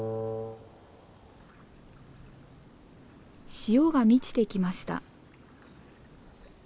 潮が満ちてきました。